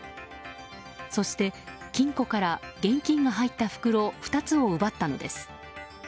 そして、金庫から現金が入った袋２つを奪ったのです。